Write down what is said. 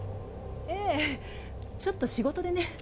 ええちょっと仕事でね